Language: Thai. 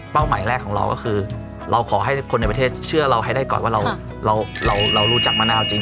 หมายแรกของเราก็คือเราขอให้คนในประเทศเชื่อเราให้ได้ก่อนว่าเรารู้จักมะนาวจริง